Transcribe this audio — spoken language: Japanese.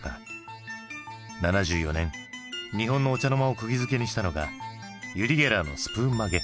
７４年日本のお茶の間をくぎづけにしたのがユリ・ゲラーのスプーン曲げ。